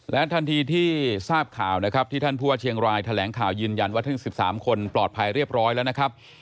และทันทีที่ทราบข่าวนะครับที่ท่านผู้ว่าเชียงรายแถลงข่าวยืนยันว่าทั้ง๑๓คนปลอดภัยเรียบร้อยแล้วนะครับ